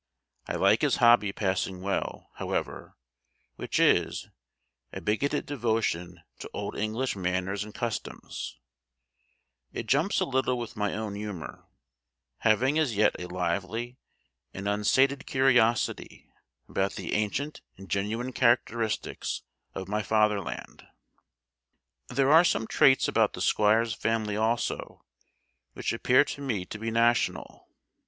I like his hobby passing well, however, which is, a bigoted devotion to old English manners and customs; it jumps a little with my own humour, having as yet a lively and unsated curiosity about the ancient and genuine characteristics of my "fatherland." There are some traits about the squire's family also, which appear to me to be national.